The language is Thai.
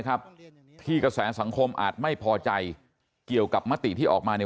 ครับที่กระแสสังคมอาจไม่พอใจเกี่ยวกับมติที่ออกมาเนี่ย